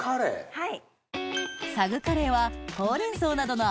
はい。